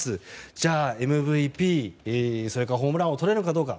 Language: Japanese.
じゃあＭＶＰ、それからホームラン王をとれるかどうか。